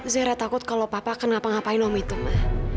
zaira takut kalau papa kenapa ngapain om itu ma